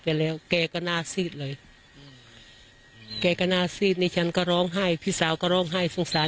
สุยงานทุกคนตอนนี้ก็เป็นห่วง